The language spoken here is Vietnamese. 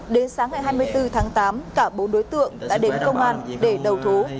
đến sáng ngày hai mươi bốn tháng tám cả bốn đối tượng đã đến công an để đầu thú